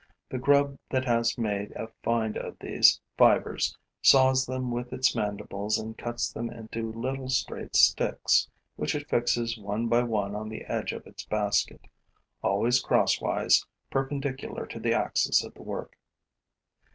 The grub that has made a find of these fibers saws them with its mandibles and cuts them into little straight sticks, which it fixes one by one to the edge of its basket, always crosswise, perpendicular to the axis of the work.